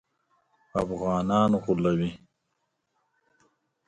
افغانان غولوي.